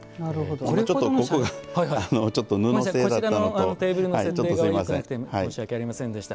これ、ちょっとここが布製だったのとこちらのテーブルの設定がよくなくて申し訳ありませんでした。